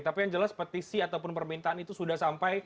tapi yang jelas petisi ataupun permintaan itu sudah sampai di pimpinan kpk